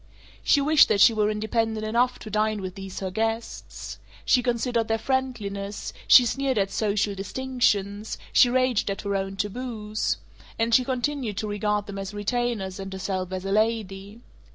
She wished that she were independent enough to dine with these her guests. She considered their friendliness, she sneered at "social distinctions," she raged at her own taboos and she continued to regard them as retainers and herself as a lady.